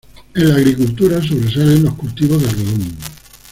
En la agricultura sobresalen los cultivos de algodón.